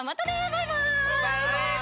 バイバイ！